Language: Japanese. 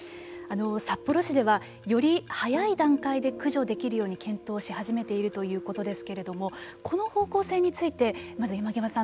札幌市ではより早い段階で駆除できるように検討し始めているということですけれどもこの方向性についてまず山極さん